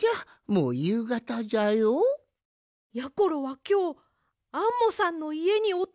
もうゆうがたじゃよ？やころはきょうアンモさんのいえにおとまりします！